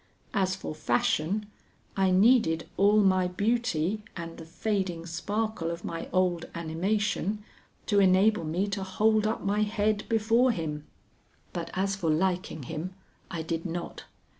As for fashion, I needed all my beauty and the fading sparkle of my old animation to enable me to hold up my head before him. But as for liking him, I did not.